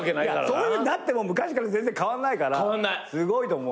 そういうふうになっても昔から全然変わんないからすごいと思う。